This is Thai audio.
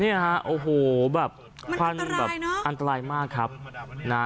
เนี่ยฮะโอ้โหแบบมันอันตรายเนอะอันตรายมากครับนะ